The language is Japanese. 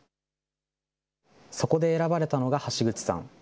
そこで選ばれたのが橋口さん。